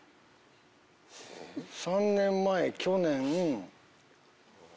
３年前去年。